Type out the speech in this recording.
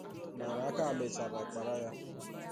Mana aka mechara kpara ya